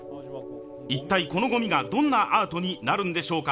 一体このごみが、どんなアートになるんでしょうか。